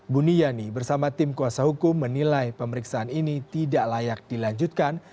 buniyani bersama tim kuasa hukum menilai pemeriksaan ini tidak layak dilanjutkan